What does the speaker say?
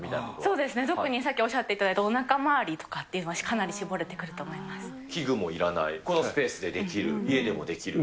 そうですね、特にさっきおっしゃっていただいたおなか回りとかっていうのは、器具もいらない、このスペースでできる、家でもできる。